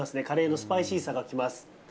カレーのスパイシーさが来ます。